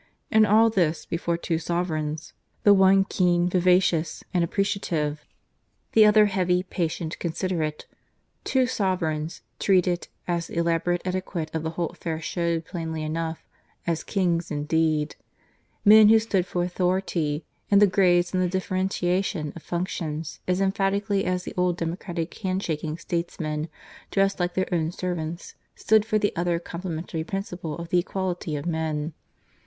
And all this before two sovereigns: the one keen, vivacious, and appreciative; the other heavy, patient, considerate two sovereigns, treated, as the elaborate etiquette of the whole affair showed plainly enough, as kings indeed men who stood for authority, and the grades and the differentiation of functions, as emphatically as the old democratic hand shaking statesmen, dressed like their own servants, stood for the other complementary principle of the equality of men.